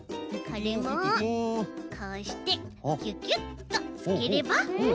これもこうしてキュキュッとつければ。